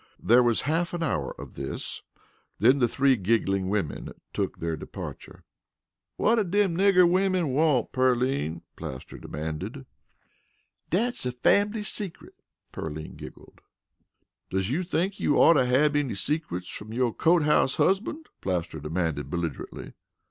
There was half an hour of this, then the three giggling women took their departure. "Whut did dem nigger women want, Pearline?" Plaster demanded. "Dat's a fambly secret," Pearline giggled. "Does you think you oughter hab any secrets from yo' cote house husbunt?" Plaster demanded belligerently.